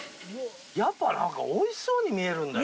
やっぱなんかおいしそうに見えるんだよな。